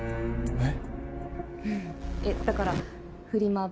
えっ。